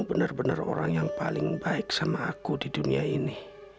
benar benar orang yang paling baik sama aku di dunia ini